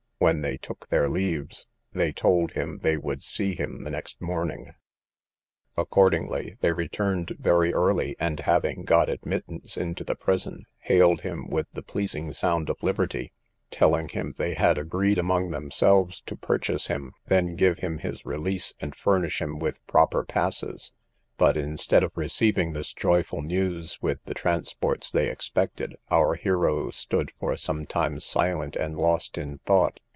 When they took their leaves, they told him they would see him the next morning. Accordingly they returned very early, and having got admittance into the prison, hailed him with the pleasing sound of liberty, telling him, they had agreed among themselves to purchase him, then give him his release, and furnish him with proper passes; but instead of receiving this joyful news with the transports they expected, our hero stood for some time silent and lost in thought.